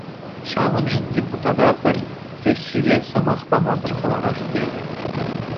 Ҫавӑншӑн депутата пӗр сессире сӑмах памасӑр хӑварас тенӗ.